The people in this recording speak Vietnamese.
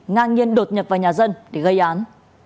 ngang nhiên đột nhập vào nhà dân để gây án